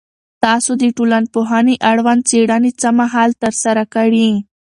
تاسو د ټولنپوهنې اړوند څېړنې څه مهال ترسره کړي؟